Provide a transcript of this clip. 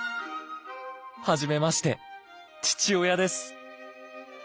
「はじめまして父親です」。